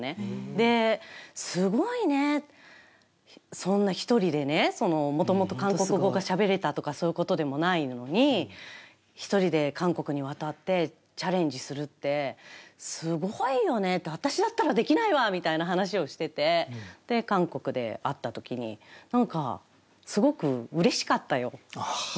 で、すごいねー、そんな１人でね、もともと韓国語がしゃべれたとか、そういうことでもないのに、１人で韓国に渡ってチャレンジするって、すごいよねって、私だったらできないわみたいな話をしてて、で、韓国で会ったときに、なんかすごくうれしかったよ。